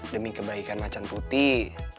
demi kebaikan macan putih